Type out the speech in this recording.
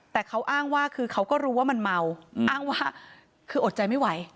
แต่เขาอ้างว่าคือเขาก็รู้ว่ามันเมาอ้างว่าคืออดใจไม่ไหว